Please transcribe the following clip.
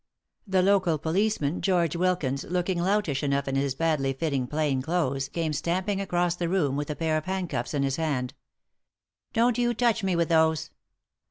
The local policeman, George Wilkins, looking loutish enough in his badly fitting plain clothes, came stamping across the room with a pair of handcuffs in his hand. "Don't you touch me with those."